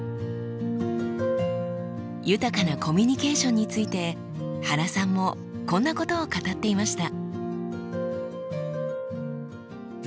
豊かなコミュニケーションについて原さんもこんなことを語っていました。